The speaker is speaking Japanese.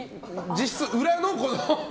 実質、裏の？